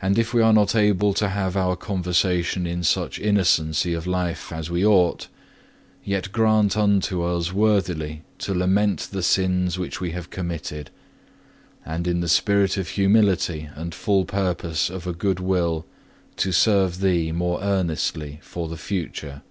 And if we are not able to have our conversation in such innocency of life as we ought, yet grant unto us worthily to lament the sins which we have committed, and in the spirit of humility and full purpose of a good will, to serve Thee more earnestly for the future.